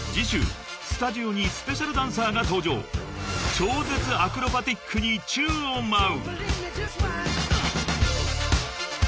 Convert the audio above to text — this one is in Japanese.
［超絶アクロバティックに宙を舞う］